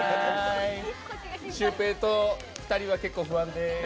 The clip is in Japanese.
シュウペイと２人は結構不安です。